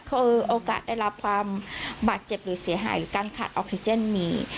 คือโอกาสได้รับความบาดเจ็บหรือเสียหายหรือการขาดออกซิเจนมี